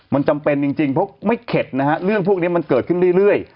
มันจำเป็นจริงเพราะไม่เข็ดนะฮะเรื่องพวกนี้มันเกิดขึ้นเรื่อย